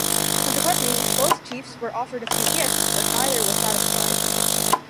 Consequently, both chiefs were offered a few gifts, but neither was satisfied.